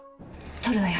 撮るわよ。